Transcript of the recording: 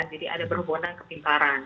jadi ada berhubungan kepintaran